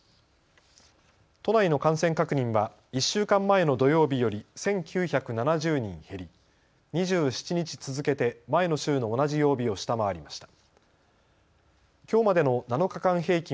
都内の感染確認は１週間前の土曜日より１９７０人減り２７日続けて前の週の同じ曜日を下回りました。